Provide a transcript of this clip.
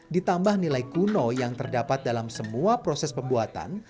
ditambah nilai kuno yang terdapat dalam semua proses pembuatan